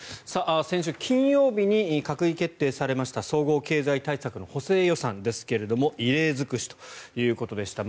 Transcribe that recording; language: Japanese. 先週金曜日に閣議決定されました総合経済対策の補正予算ですが異例尽くしということでした。